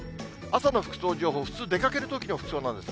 朝の服装情報、普通、出かけるときの服装なんです。